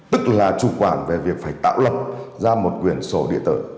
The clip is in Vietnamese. tức là chủ quản về việc phải tạo lập ra một quyền sổ địa tờ